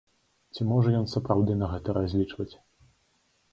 Ці можа ён сапраўды на гэта разлічваць?